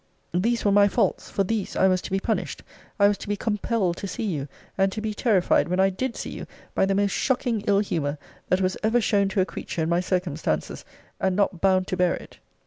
These were my faults: for these I was to be punished: I was to be compelled to see you, and to be terrified when I did see you, by the most shocking ill humour that was ever shown to a creature in my circumstances, and not bound to bear it.